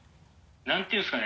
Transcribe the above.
何て言うんですかね